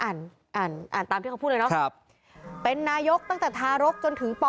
อ่านอ่านอ่านตามที่เขาพูดเลยเนาะเป็นนายกตั้งแต่ทารกจนถึงป